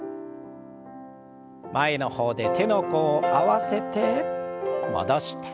前の方で手の甲を合わせて戻して。